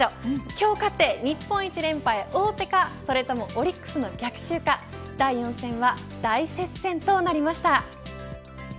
今日勝って日本一連覇へ王手かそれともオリックスの逆襲か第４戦は大接戦となりました。